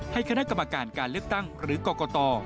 คณะกรรมการการเลือกตั้งหรือกรกต